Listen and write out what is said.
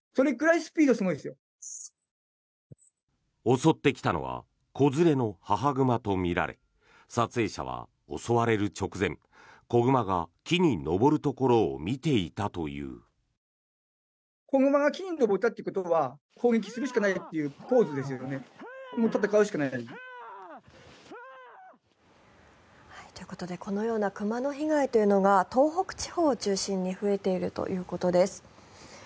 襲ってきたのは子連れの母熊とみられ撮影者は襲われる直前子熊が木に登るところを見ていたという。ということでこのような熊の被害というのが東北地方を中心に増えているということです。